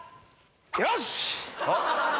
よし‼